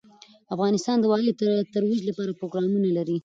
افغانستان د وادي د ترویج لپاره پروګرامونه لري.